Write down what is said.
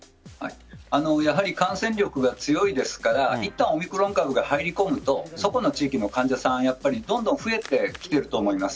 やはり感染力が強いですからいったん、オミクロン株が入り込むとそこの地域の患者さんはどんどん増えてきていると思います。